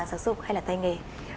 giáo dục hay là tay nghề